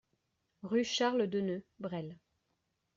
Rue Charles Deneux, Bresles